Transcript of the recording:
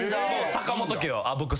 坂本家は。